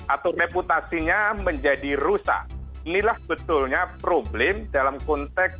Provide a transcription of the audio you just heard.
atau reputasinya menjadi rusak inilah betulnya problem dalam konteks